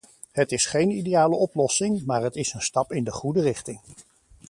Het is geen ideale oplossing, maar het is een stap in de goede richting.